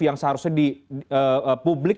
yang seharusnya di publik